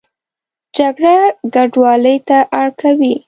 جګړه کډوالۍ ته اړ کوي